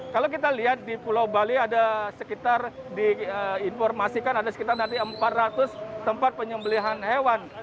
kalau kita lihat di pulau bali ada sekitar diinformasikan ada sekitar empat ratus tempat penyembelihan hewan